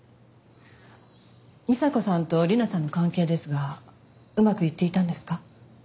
美紗子さんと理奈さんの関係ですがうまくいっていたんですか？